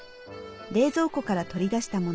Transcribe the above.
冷蔵庫から取り出した物。